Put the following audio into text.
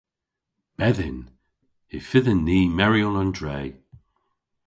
Bedhyn. Y fydhyn ni meryon an dre.